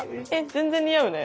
全然似合うね。